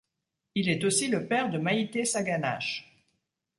Il est aussi le père de Maïtée Saganash.